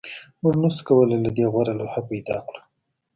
موږ نشوای کولی له دې غوره لوحه پیدا کړو